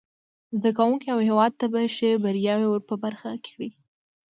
زده کوونکو او هیواد ته به ښې بریاوې ور په برخه کړي.